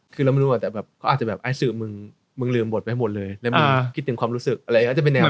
คือเราไม่รู้ว่าแต่แบบก็อาจจะแบบไอซูมึงลืมบทไว้หมดเลยแล้วมึงคิดถึงความรู้สึกอะไรอีกอาจจะเป็นแนวนั้น